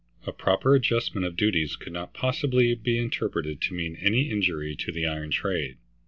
A proper adjustment of duties could not possibly be interpreted to mean any injury to the iron trade.